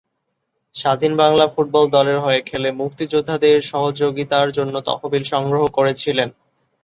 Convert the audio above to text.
স্বাধীন বাংলা ফুটবল দলের হয়ে খেলে মুক্তিযোদ্ধাদের সহযোগিতার জন্য তহবিল সংগ্রহ করেছিলেন।